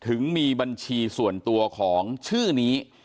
ถึงมีบัญชีส่วนตัวของชื่อนี้